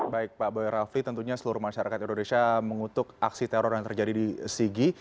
baik pak boy rafli tentunya seluruh masyarakat indonesia mengutuk aksi teror yang terjadi di sigi